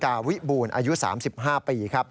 กาวิบูลอายุ๓๕ปี